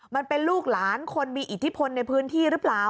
มันเป็นลูกหลานคนมีอิทธิพลในพื้นที่หรือเปล่า